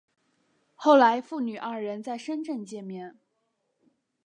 后来父女二人在深圳见面。